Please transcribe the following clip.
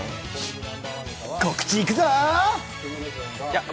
告知いくぞ！